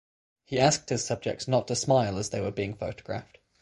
He asked his subjects not to smile as they were being photographed.